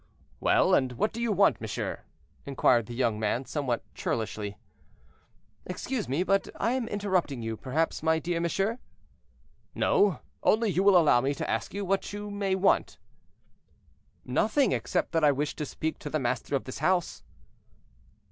"Well, and what do you want, monsieur?" inquired the young man, somewhat churlishly. "Excuse me, but I am interrupting you, perhaps, my dear monsieur?" "No, only you will allow me to ask you what you may want." "Nothing, except that I wished to speak to the master of this house."